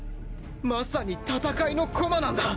まさに戦いの駒なんだ。